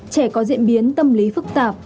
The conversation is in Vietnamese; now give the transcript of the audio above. trẻ có diễn biến tâm lý phức tạp